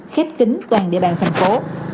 khép kính toàn địa bàn thành phố